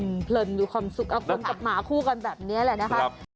ดูเพลินดูความสุขเอาคนกับหมาคู่กันแบบนี้แหละนะคะ